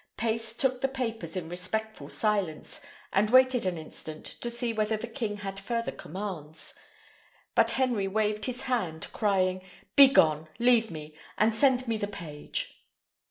Pace took the papers in respectful silence, and waited an instant to see whether the king had further commands; but Henry waved his hand, crying, "Begone! leave me, and send the page."